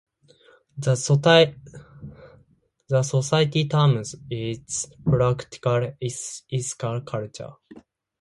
The Society terms its practice Ethical Culture.